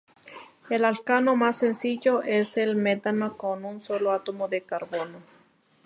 El alcano más sencillo es el metano con un solo átomo de carbono.